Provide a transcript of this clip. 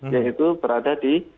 yaitu berada di